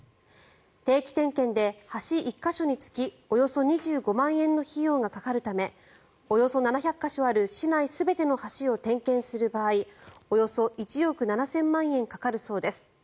定期点検で橋１か所につきおよそ２５万円の費用がかかるためおよそ７００か所ある市内全ての橋を点検する場合およそ１億７０００万円かかるそうです。